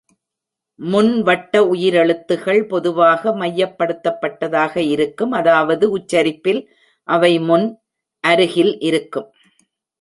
முன் வட்ட உயிரெழுத்துகள் பொதுவாக மையப்படுத்தப் பட்டதாக இருக்கும், அதாவது உச்சரிப்பில் அவை முன்-அருகில் இருக்கும்.